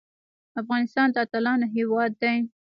افغانستان د اتلانو هیواد دی